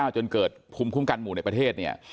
จนเกิดภูมิคุ้มกันหมู่ในประเทศเนี่ย